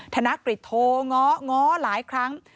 ธนกฤษโทรง้อง้อหลายครั้ง